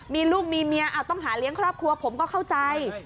มีลูกมีเมียต้องหาเลี้ยงครอบครัวผมก็เข้าใจ